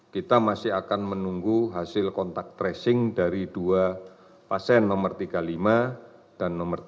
kita masih akan menunggu hasil kontak tracing dari dua pasien nomor tiga puluh lima dan nomor tiga